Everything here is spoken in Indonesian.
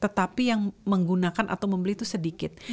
tetapi yang menggunakan atau membeli itu sedikit